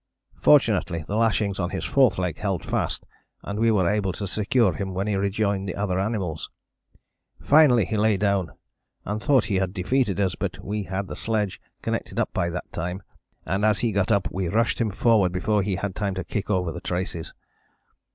Fortunately the lashing on his fourth leg held fast, and we were able to secure him when he rejoined the other animals. Finally he lay down, and thought he had defeated us, but we had the sledge connected up by that time, and as he got up we rushed him forward before he had time to kick over the traces....